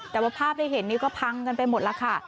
แต่ว่าภาพที่เห็นนี่ก็พังกันไปหมดแล้วค่ะ